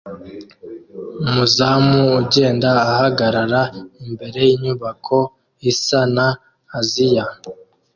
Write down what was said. Umuzamu ugenda ahagarara imbere yinyubako isa na Aziya